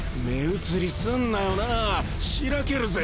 移りすんなよなぁしらけるぜ！